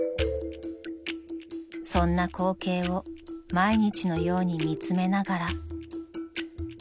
［そんな光景を毎日のように見つめながら］